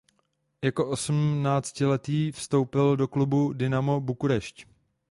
Jako osmnáctiletý vstoupil do klubu "Dinamo Bukurešť".